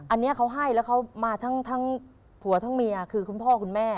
อันนี้เขาให้แล้วเขามาทั้งผัวทั้งเมียคือคุณพ่อคุณแม่